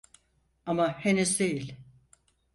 Ama henüz değil.